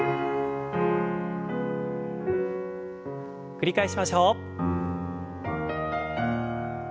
繰り返しましょう。